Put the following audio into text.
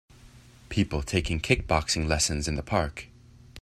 People take kickboxing lessons in the park.